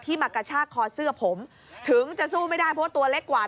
มากระชากคอเสื้อผมถึงจะสู้ไม่ได้เพราะตัวเล็กกว่า